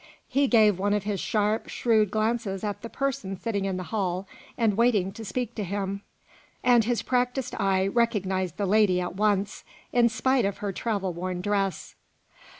He gave one of his sharp, shrewd glances at the person sitting in the hall and waiting to speak to him, and his practised eye recognised the lady at once, in spite of her travel worn dress.